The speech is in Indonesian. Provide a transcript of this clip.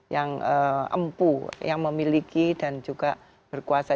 yang empu yang memiliki dan juga berkuasa